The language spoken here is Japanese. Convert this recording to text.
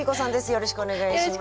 よろしくお願いします。